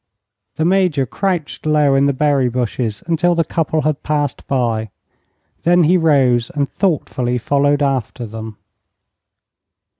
The Major crouched low in the berry bushes until the couple had passed by; then he rose and thoughtfully followed after them.